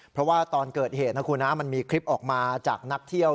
เพราะว่าตอนเกิดเหตุนะคุณนะมันมีคลิปออกมาจากนักเที่ยว